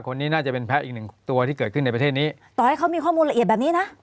คนนี้น่าจะเป็นแพ้อีกหนึ่งตัวที่เกิดขึ้นในประเทศนี้ต่อให้เขามีข้อมูลละเอียดแบบนี้นะ